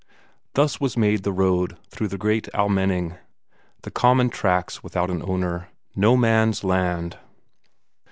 Thus was made the road through the great Almenning the common tracts without an owner; no man's land.